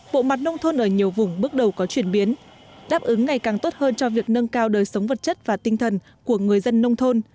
bộ mặt nông thôn ở nhiều vùng bước đầu có chuyển biến đáp ứng ngày càng tốt hơn cho việc nâng cao đời sống vật chất và tinh thần của người dân nông thôn